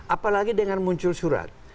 apalagi dengan muncul surat